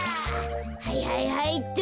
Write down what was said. はいはいはいっと！